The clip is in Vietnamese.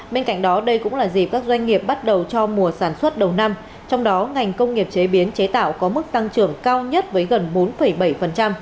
bên cạnh đó đây cũng là dịp các doanh nghiệp bắt đầu cho mùa sản xuất đầu năm trong đó ngành công nghiệp chế biến chế tạo có mức tăng trưởng cao nhất với gần bốn bảy